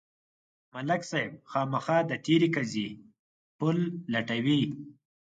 ملک صاحب خامخا د تېرې قضیې پل لټوي.